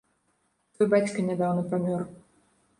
Твой бацька нядаўна памёр.